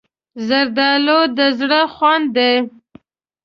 زردالو د زړه خوند دی.